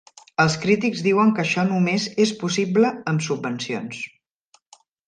Els crítics diuen que això només és possible amb subvencions.